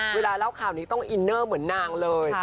เวลาเล่าข่าวนี้ต้องอินเนอร์เหมือนนางเลย